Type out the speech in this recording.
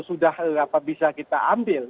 sudah bisa kita ambil